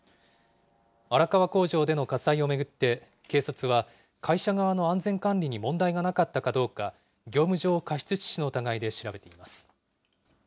荒川工場での火災を巡って、警察は会社側の安全管理に問題がなかったかどうか、業務上過失致